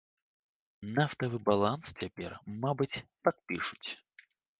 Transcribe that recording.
Нафтавы баланс цяпер, мабыць, падпішуць.